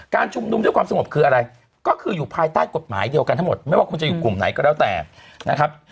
ชุมนุมด้วยความสงบคืออะไรก็คืออยู่ภายใต้กฎหมายเดียวกันทั้งหมดไม่ว่าคุณจะอยู่กลุ่มไหนก็แล้วแต่นะครับ